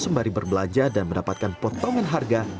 sembari berbelanja dan mendapatkan potongan harga